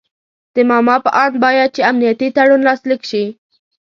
د ماما په آند باید چې امنیتي تړون لاسلیک شي.